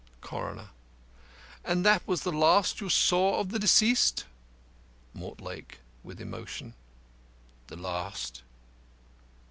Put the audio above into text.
CORONER: And that was the last you saw of the deceased? MORTLAKE (with emotion): The last.